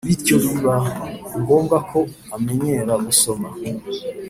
bityo biba ngombwa ko amenyera gusoma